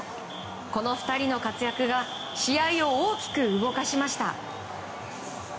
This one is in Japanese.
この２人の活躍が試合を大きく動かしました。